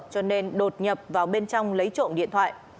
cho nên đột nhập vào bên trong lấy trộm điện thoại